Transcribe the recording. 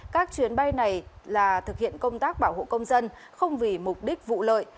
các chuyến bay này là thực hiện công tác bảo hộ công dân không vì mục đích vụ lợi